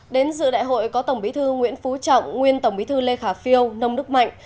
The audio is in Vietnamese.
đến dự đại hội có tổng bí thư nguyễn phú trọng nguyên tổng bí thư lê khả phiêu nông đức mạnh